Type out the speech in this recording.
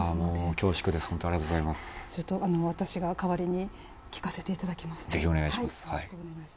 私が代わりに聞かせていただきます。